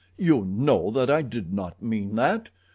"You know that I did not mean that.